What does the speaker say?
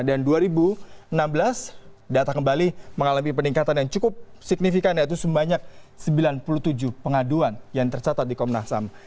dan dua ribu enam belas data kembali mengalami peningkatan yang cukup signifikan yaitu sebanyak sembilan puluh tujuh pengaduan yang tercatat di komnas ham